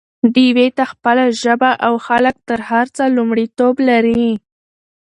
ډيوې ته خپله ژبه او خلک تر هر څه لومړيتوب لري